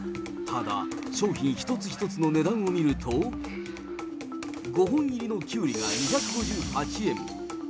ただ商品一つ一つの値段を見ると、５本入りのキュウリが２５８円。